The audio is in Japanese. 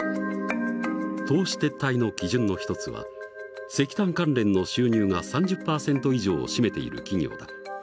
投資撤退の基準の一つは石炭関連の収入が３０％以上を占めている企業だ。